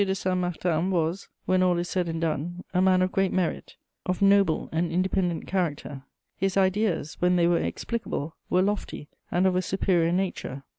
de Saint Martin was, when all is said and done, a man of great merit, of noble and independent character. His ideas, when they were explicable, were lofty and of a superior nature.